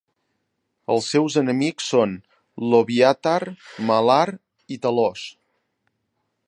Els seus enemics són Loviatar, Malar i Talos.